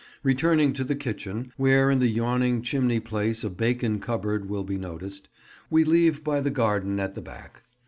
Returning to the kitchen, where in the yawning chimney place a bacon cupboard will be noticed, we leave by the garden at the back.